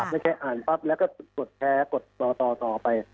แล้วแค่อ่านปั๊บแล้วก็กดแชร์กดต่อไป